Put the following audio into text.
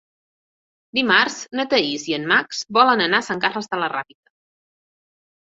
Dimarts na Thaís i en Max volen anar a Sant Carles de la Ràpita.